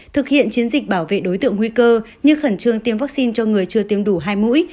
thực hiện chiến dịch bảo vệ đối tượng nguy cơ như khẩn trương tiêm vaccine cho người chưa tiêm đủ hai mũi